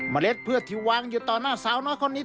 เมล็ดเพือดที่วางอยู่ตอนหน้าสาวเนาะคนนี้